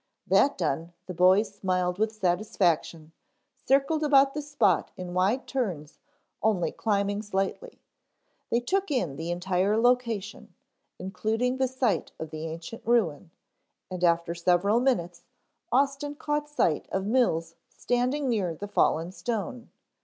That done the boys smiled with satisfaction, circled about the spot in wide turns only climbing slightly. They took in the entire location, including the site of the ancient ruin, and after several minutes, Austin caught sight of Mills standing near the fallen stone.